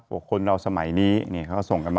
คนเราสมัยนี้เขาส่งกันมา